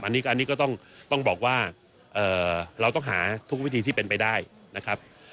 อันนี้ก็ต้องบอกว่าเราต้องหาทุกวิธีที่เป็นไปได้นะครับ